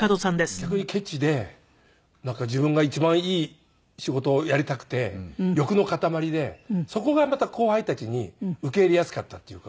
逆にケチで自分が一番いい仕事をやりたくて欲の塊でそこがまた後輩たちに受け入れやすかったっていうか。